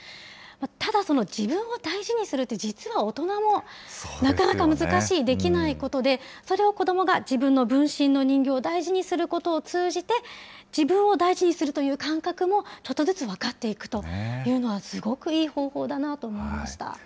ただ、その自分を大事にするって、実は大人もなかなか難しい、できないことで、それを子どもが、自分の分身の人形を大事にすることを通じて、自分を大事にするという感覚をちょっとずつ分かっていくというのは、すごくいい方法だなと思いました。